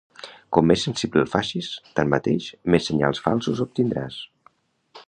Com més sensible el facis, tanmateix, més senyals falsos obtindràs.